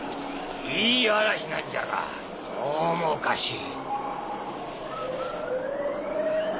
いい嵐なんじゃがどうもおかしい。